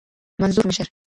منظور مشر